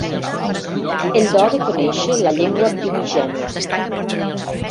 El do de conèixer la llengua primigènia.